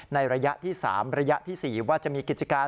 ในระยะที่๓ระยะที่๔ว่าจะมีกิจการ